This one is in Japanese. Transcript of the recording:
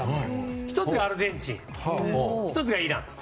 １つがアルゼンチン１つがイラン。